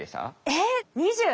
えっ！